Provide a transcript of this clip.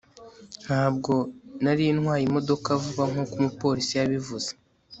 ntabwo nari ntwaye imodoka vuba nkuko umupolisi yabivuze